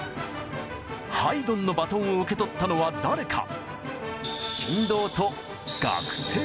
ハイドンのバトンを受け取ったのは誰か？